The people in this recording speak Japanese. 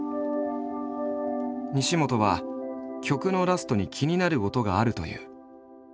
西本は曲のラストに気になる音があるという。